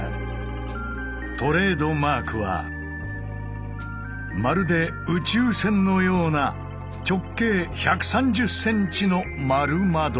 トレードマークはまるで宇宙船のような直径１３０ｃｍの円窓。